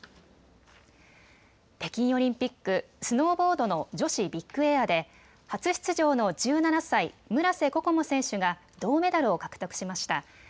北京オリンピック、スノーボードの女子ビッグエアで初出場の１７歳、村瀬心椛選手が銅メダルを獲得しました。